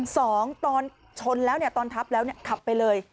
สองตอนชนแล้วเนี่ยตอนทับแล้วขับไปเลย